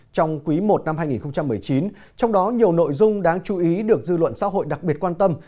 trong quý i năm hai nghìn một mươi chín trong đó nhiều nội dung đáng chú ý được dư luận xã hội đặc biệt quan tâm